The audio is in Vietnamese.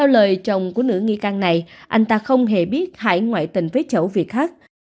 vợ chồng của nữ nghi can này anh ta không hề biết hải ngoại tình với chậu việt hắc